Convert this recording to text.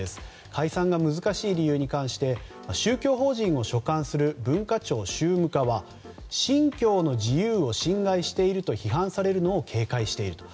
解散が難しい理由に関して宗教法人を所管する文化庁宗務課は、信教の自由を侵害していると批判されるのを警戒していると。